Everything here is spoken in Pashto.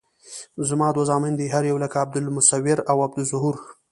زما دوه زامن دي هر یو لکه عبدالمصویر او عبدالظهور.